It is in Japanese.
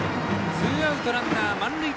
ツーアウト、ランナー満塁。